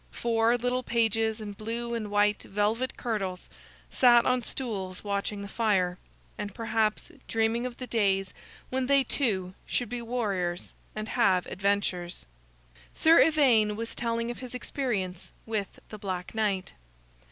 Four little pages in blue and white velvet kirtles sat on stools watching the fire, and perhaps dreaming of the days when they, too, should be warriors and have adventures. Sir Ivaine was telling of his experience with the Black Knight.